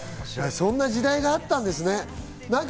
そんな時代もあったんだよね。